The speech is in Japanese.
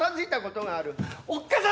おっかさん！